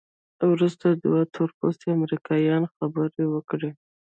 وروسته دوه تورپوستي امریکایان خبرې وکړې.